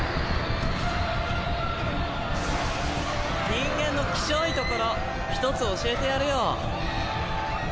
人間のキショいところ１つ教えてやるよ。